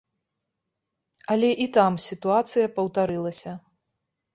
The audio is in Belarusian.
Але і там сітуацыя паўтарылася.